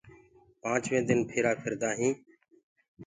پآنچوينٚ دن ڦيرآ ڦيرآندآ هينٚ۔